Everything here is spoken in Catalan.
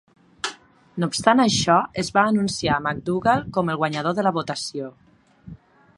No obstant això, es va anunciar MacDougall com el guanyador de la votació.